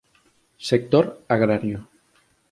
Sector agrario